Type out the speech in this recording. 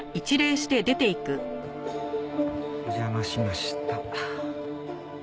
お邪魔しました。